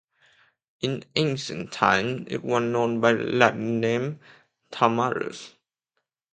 In ancient times it was known by the Latin name "Tamarus".